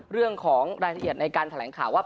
เรื่องของรายละเอียดในการแถลงข่าวว่า